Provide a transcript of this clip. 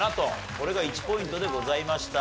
これが１ポイントでございました。